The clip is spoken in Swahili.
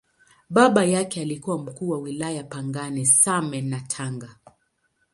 Baba yake alikuwa Mkuu wa Wilaya Pangani, Same na Tanga.